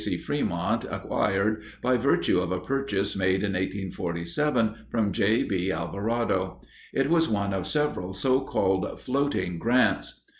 C. Frémont acquired by virtue of a purchase made in 1847 from J. B. Alvarado. It was one of several so called "floating grants."